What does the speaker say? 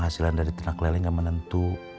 kecilan dari ternak lele gak menentu